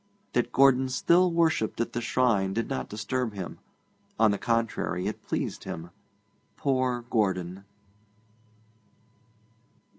That Gordon still worshipped at the shrine did not disturb him; on the contrary, it pleased him. Poor Gordon!